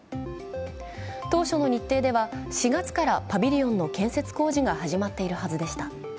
当初の日程では４月からパビリオンの建設工事が始まっている予定でした。